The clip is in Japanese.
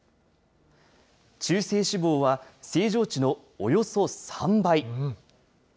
中性脂肪は正常値のおよそ３倍。